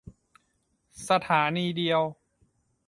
สถานีเดียว